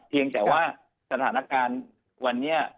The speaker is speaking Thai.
เพียงแต่ว่าสถานการณ์วันนี้